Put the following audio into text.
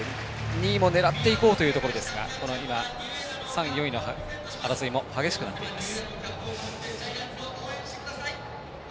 ２位も狙っていこうというところですが今、３位４位の争いも激しくなっています。